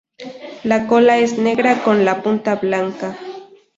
La cola es negra con la punta blanca.